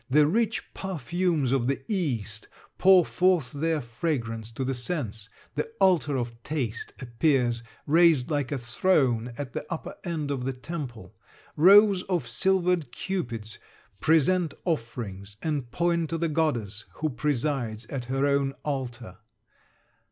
The rich perfumes of the east pour forth their fragrance to the sense. The altar of taste appears, raised like a throne at the upper end of the temple. Rows of silvered cupids present offerings, and point to the goddess, who presides at her own altar.